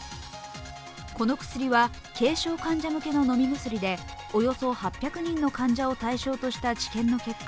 この薬は軽症患者向けの飲み薬でおよそ８００人の患者を対象とした治験の結果